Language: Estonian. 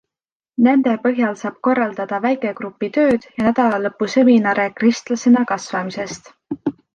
Nende põhjal saab korraldada väikegrupi tööd ja nädalalõpuseminare kristlasena kasvamisest.